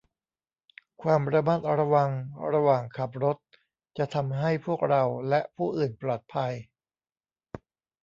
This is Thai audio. ความระมัดระวังระหว่างขับรถจะทำให้พวกเราและผู้อื่นปลอดภัย